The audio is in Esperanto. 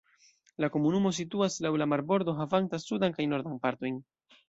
La komunumo situas laŭ la marbordo havanta sudan kaj nordan partojn.